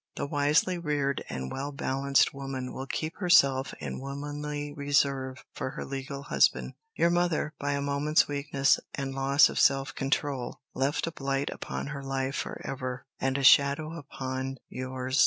The wisely reared and well balanced woman will keep herself in womanly reserve for her legal husband. Your mother, by a moment's weakness and loss of self control, left a blight upon her life for ever, and a shadow upon yours.